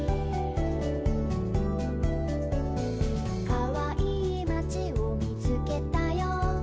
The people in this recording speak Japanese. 「かわいいまちをみつけたよ」